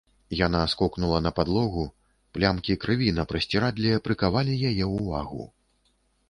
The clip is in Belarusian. Яна скокнула на падлогу, плямкі крыві на прасцірадле прыкавалі яе ўвагу.